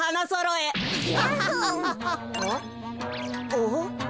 おっ？